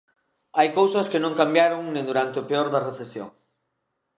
Hai cousas que non cambiaron nin durante o peor da recesión.